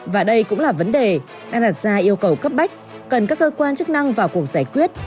và đây cũng là vấn đề đang đặt ra yêu cầu cấp bách cần các cơ quan chức năng vào cuộc giải quyết